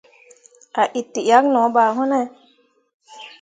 A itǝʼyakke no ɓa wune ?